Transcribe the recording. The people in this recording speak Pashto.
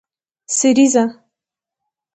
سریزه